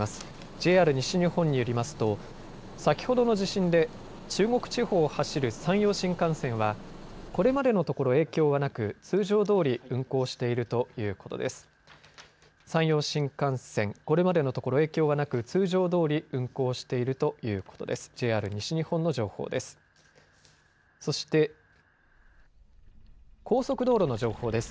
ＪＲ西日本によりますと先ほどの地震で中国地方を走る山陽新幹線は、これまでのところ影響はなく通常どおり運行しているということです。